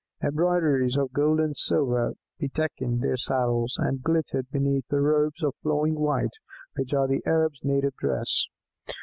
Embroideries of gold and silver bedecked their saddles, and glittered beneath the robes of flowing white which are the Arabs' native dress.